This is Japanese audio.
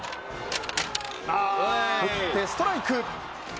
振ってストライク。